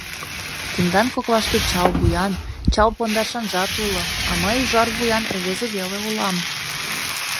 Тендан коклаште чал вуян, чал пондашанжат уло, а мый ужар вуян рвезе веле улам.